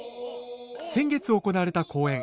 先月行われた公演